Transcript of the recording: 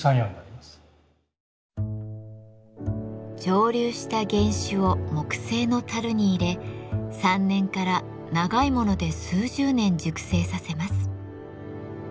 蒸留した原酒を木製の樽に入れ３年から長いもので数十年熟成させます。